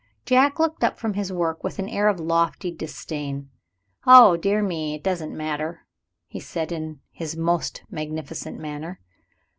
Jack looked up from his work with an air of lofty disdain. "Oh, dear me, it doesn't matter," he said, in his most magnificent manner.